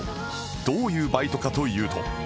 どういうバイトかというと